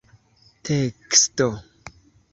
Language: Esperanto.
teksto